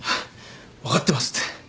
分かってますって。